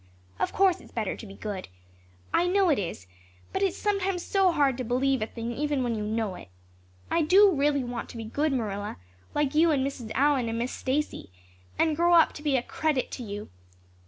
Of course it's better to be good. I know it is, but it's sometimes so hard to believe a thing even when you know it. I do really want to be good, Marilla, like you and Mrs. Allan and Miss Stacy, and grow up to be a credit to you.